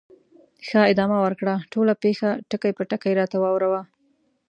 ښه، ادامه ورکړه، ټوله پېښه ټکي په ټکي راته واوره وه.